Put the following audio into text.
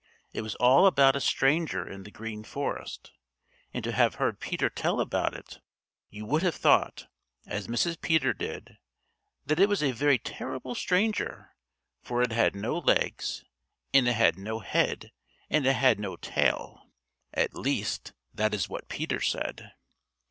It was all about a stranger in the Green Forest, and to have heard Peter tell about it, you would have thought, as Mrs. Peter did, that it was a very terrible stranger, for it had no legs, and it had no head, and it had no tail. At least, that is what Peter said.